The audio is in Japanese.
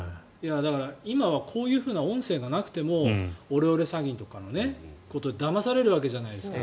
今はこういう音声がなくてもオレオレ詐欺とか、こうやってだまされるわけじゃないですか。